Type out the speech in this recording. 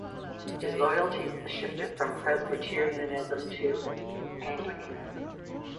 His loyalties shifted from Presbyterianism to Anglicanism.